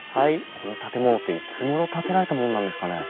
この建物っていつごろ建てられたものなんですかね？